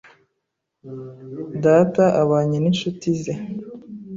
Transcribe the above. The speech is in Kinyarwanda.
Data abanye n'inshuti ze.